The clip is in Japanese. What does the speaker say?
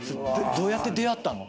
どうやって出会ったの？